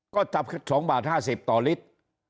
ก็จะเป็น๒บาท๕๐ต่อลิตร